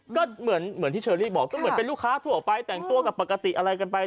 ก็เหมือนที่เชอรี่บอกก็เหมือนเป็นลูกค้าทั่วไปแต่งตัวกับปกติอะไรกันไป